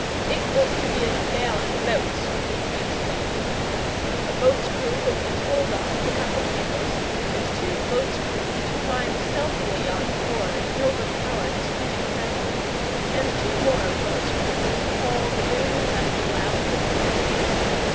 It was to be an affair of boats, he explained. A boat's crew would be told off to cut the cables, and two boats' crews to climb stealthily on board and overpower the sleeping Frenchmen, and two more boats' crews to haul the doomed vessel out of the bay.